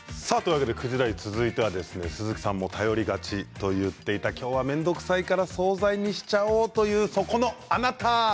続いては鈴木さんも頼りがちと言っていた面倒くさいから総菜にしちゃおうというそこのあなた。